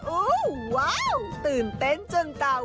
อู้วว้าวตื่นเต้นจนกล่าว